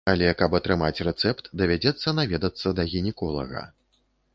Але каб атрымаць рэцэпт, давядзецца наведацца да гінеколага.